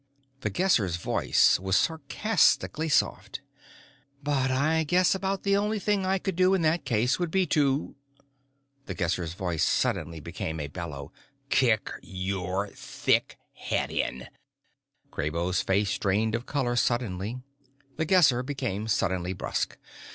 The Guesser's voice was sarcastically soft. "But I guess about the only thing I could do in that case would be to" The Guesser's voice suddenly became a bellow "kick your thick head in!" Kraybo's face drained of color suddenly. The Guesser became suddenly brusque.